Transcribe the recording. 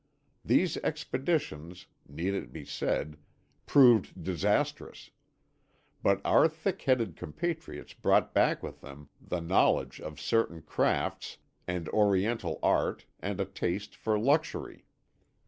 These expeditions, need it be said, proved disastrous; but our thick headed compatriots brought back with them the knowledge of certain crafts and oriental arts and a taste for luxury.